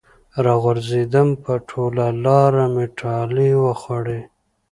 راغورځېدم په ټوله لاره مې ټالۍ وخوړې